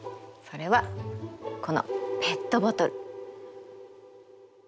それはこのペットボトル。